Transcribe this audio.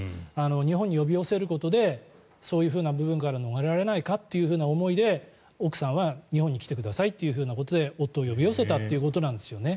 日本に呼び寄せることでそういう部分から逃れられないかという思いで奥さんは日本に来てくださいということで夫を呼び寄せたということなんですね。